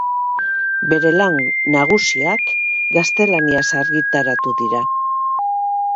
Bere lan nagusiak gaztelaniaz argitaratu dira.